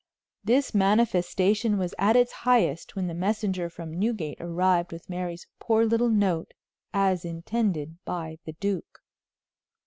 This manifestation was at its highest when the messenger from Newgate arrived with Mary's poor little note as intended by the duke.